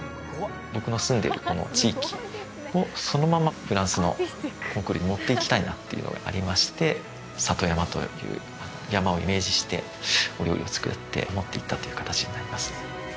僕の住んでるこの地域をそのままフランスのコンクールに持っていきたいなっていうのがありまして里山という山をイメージしてお料理を作って持っていったという形になります